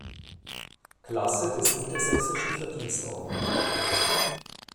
Klasse des Niedersächsischen Verdienstorden.